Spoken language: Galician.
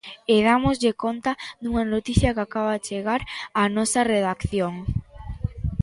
E dámoslle conta dunha noticia que acaba de chegar á nosa redacción.